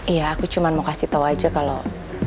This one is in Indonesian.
iya aku cuma mau kasih tau aja kalau